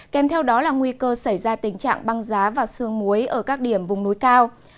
kèm theo đó là nguy cơ xảy ra tình trạng băng giá và sương muối ở các điểm vùng núi cao